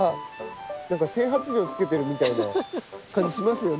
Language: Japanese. なんか整髪料つけてるみたいな感じしますよね。